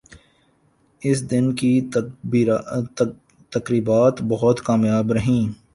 اس دن کی تقریبات بہت کامیاب رہیں ۔